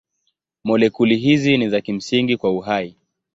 Molekuli hizi ni za kimsingi kwa uhai.